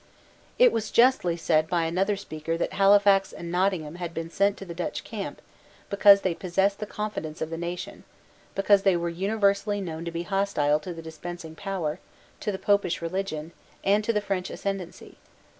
It was justly said by another speaker that Halifax and Nottingham had been sent to the Dutch camp because they possessed the confidence of the nation, because they were universally known to be hostile to the dispensing power, to the Popish religion, and to the French ascendency.